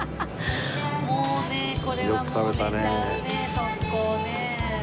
もうねこれはもう寝ちゃうね即行ね。